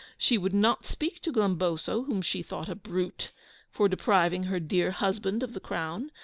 She would not speak to Glumboso, whom she thought a brute, for depriving her dear husband of the crown!